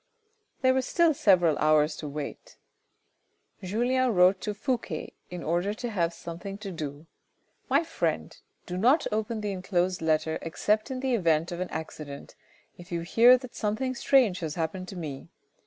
There was still several hours to wait. Julien wrote to Fouque in order to have something to do. " My friend, do not open the enclosed letter except in the event of an accident, if you hear that something strange has happened to me.